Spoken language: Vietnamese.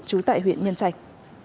chú tại huyện nhân trạch